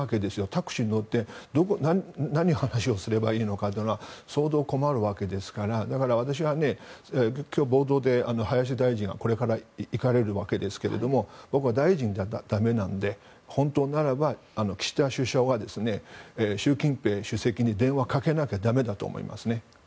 タクシーに乗って何の話をすればいいのかは相当困るわけですから私は今日、冒頭で林大臣がこれから行かれるわけですが大臣だとだめなので本当だったら岸田首相が習近平主席に電話をかけなきゃだめだと思いますね。